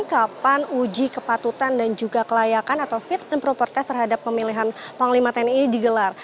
kapan uji kepatutan dan juga kelayakan atau fit and proper test terhadap pemilihan panglima tni ini digelar